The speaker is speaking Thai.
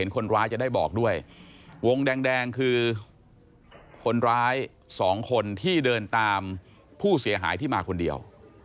คนร้ายจะได้บอกด้วยวงแดงคือคนร้าย๒คนที่เดินตามผู้เสียหายที่มาคนเดียว